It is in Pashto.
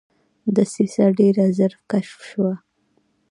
دسیسه ډېره ژر کشف شوه.